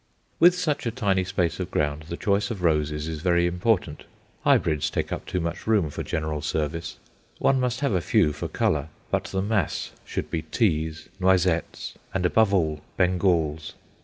With such a tiny space of ground the choice of roses is very important. Hybrids take up too much room for general service. One must have a few for colour; but the mass should be Teas, Noisettes, and, above all, Bengals.